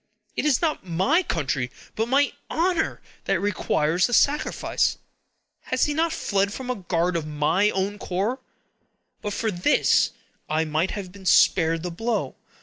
"It is not my country, but my honor, that requires the sacrifice. Has he not fled from a guard of my own corps? But for this, I might have been spared the blow!